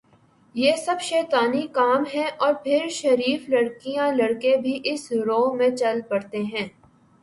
یہ سب شیطانی کام ہیں اور پھر شریف لڑکیاں لڑکے بھی اس رو میں چل پڑتے ہیں